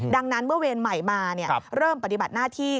ดังนั้นเมื่อเวรใหม่มาเริ่มปฏิบัติหน้าที่